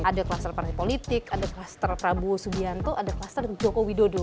ada kluster partai politik ada kluster prabowo subianto ada kluster joko widodo